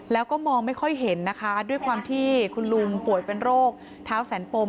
แล้วก็มองไม่ค่อยเห็นนะคะด้วยความที่คุณลุงป่วยเป็นโรคเท้าแสนปม